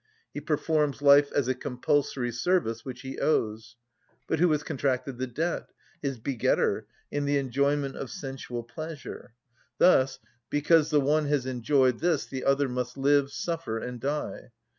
He performs life as a compulsory service which he owes. But who has contracted the debt?—His begetter, in the enjoyment of sensual pleasure. Thus, because the one has enjoyed this, the other must live, suffer, and die.